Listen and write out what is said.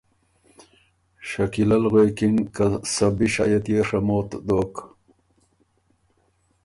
شکیلۀ ل غوېکِن که ”سۀ بی شئ یه تيې ڒموت دوک